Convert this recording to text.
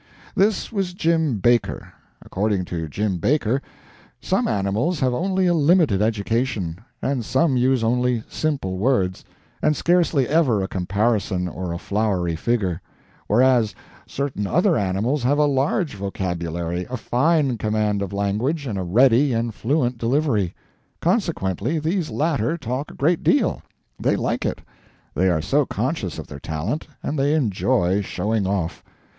This was Jim Baker. According to Jim Baker, some animals have only a limited education, and some use only simple words, and scarcely ever a comparison or a flowery figure; whereas, certain other animals have a large vocabulary, a fine command of language and a ready and fluent delivery; consequently these latter talk a great deal; they like it; they are so conscious of their talent, and they enjoy "showing off."